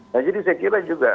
nah jadi saya kira juga